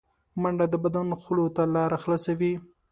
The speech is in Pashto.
منډه د بدن خولو ته لاره خلاصوي